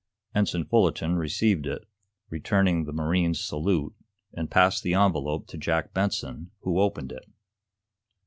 Ensign Fullerton received it, returning the marine's salute, and passed the envelope to Jack Benson, who opened it.